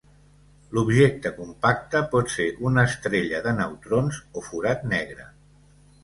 L'objecte compacte pot ser una estrella de neutrons o forat negre.